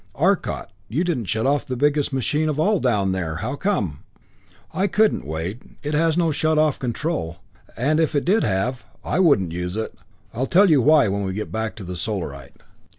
"Arcot, you didn't shut off the biggest machine of all down there. How come?" "I couldn't, Wade. It has no shut off control, and if it did have, I wouldn't use it. I will tell you why when we get back to the Solarite."